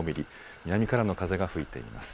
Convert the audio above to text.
南からの風が吹いています。